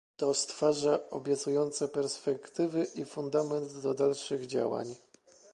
To stwarza obiecujące perspektywy i fundament do dalszych działań